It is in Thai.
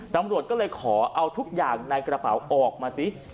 ตำรวจก็เลยขอเอาทุกอย่างในกระเป๋าออกมาซิ